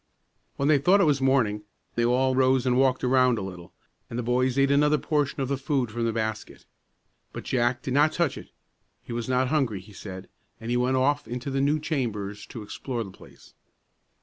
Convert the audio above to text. When they thought it was morning, they all arose and walked around a little, and the boys ate another portion of the food from the basket. But Jack did not touch it; he was not hungry, he said, and he went off into the new chambers to explore the place.